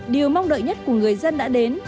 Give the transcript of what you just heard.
điều mong đợi nhất của người dân đã đến